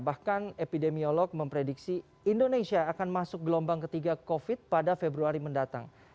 bahkan epidemiolog memprediksi indonesia akan masuk gelombang ketiga covid pada februari mendatang